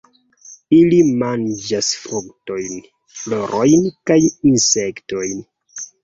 Ili manĝas fruktojn, florojn kaj insektojn.